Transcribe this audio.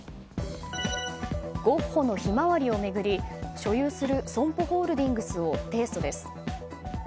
ゴッホの「ひまわり」を巡り所有するＳＯＭＰＯホールディングスを提訴です。